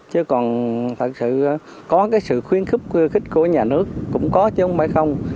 chứ còn thật sự có cái sự khuyến khích của nhà nước cũng có chứ không phải không